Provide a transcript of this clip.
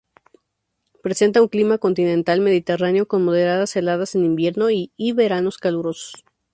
Presenta un clima continental mediterráneo con moderadas heladas en invierno y veranos calurosos.